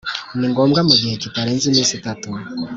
ni ngombwa mu gihe kitarenze iminsi itatu